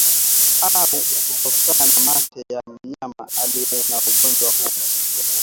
au kutokana na mate ya mnyama aliye na ugonjwa huu